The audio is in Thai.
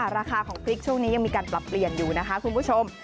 ราคาของพริกช่วงนี้ยังมีการปรับเปลี่ยนอยู่นะคะคุณผู้ชม